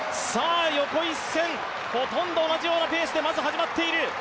横一線、ほとんど同じようなペースでまず始まっている。